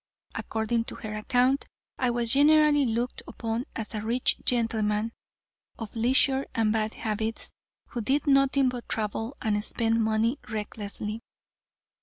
According to her account, I was generally looked upon as a rich gentleman of leisure and bad habits, who did nothing but travel and spend money recklessly.